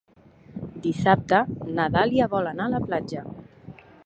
Dissabte na Dàlia vol anar a la platja.